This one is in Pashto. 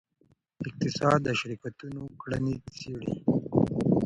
اقتصاد د شرکتونو کړنې څیړي.